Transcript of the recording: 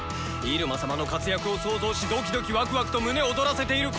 入間様の活躍を想像しドキドキワクワクと胸躍らせている